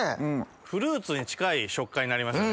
フルーツに近い食感になりますね。